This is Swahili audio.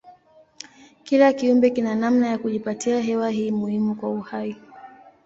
Kila kiumbe kina namna ya kujipatia hewa hii muhimu kwa uhai.